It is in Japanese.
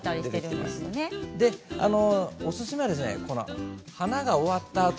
おすすめは花が終わった